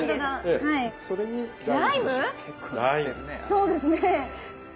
そうですね。